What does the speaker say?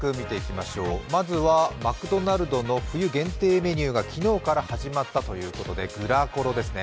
まずはマクドナルドの冬限定メニューが昨日から始まったということでグラコロですね。